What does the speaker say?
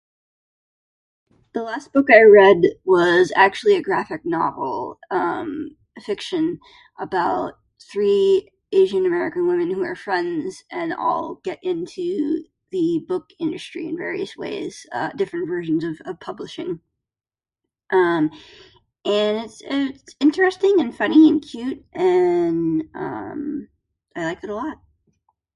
The last book I read was actually a graphic novel. Um, fiction about three Asian American women who are friends and all get into the book industry in various ways. Uh, different versions of a publishing. Um, and it's it's interesting and funny and cute and, um, I like it a lot.